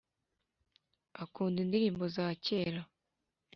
akunda indirimbo za kera